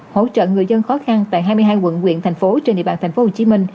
hỗ trợ người dân khó khăn tại hai mươi hai quận quyện thành phố trên địa bàn tp hcm